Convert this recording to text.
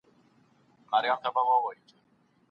ای ړوند سړیه، له ږیري سره ډوډۍ او مڼه واخله.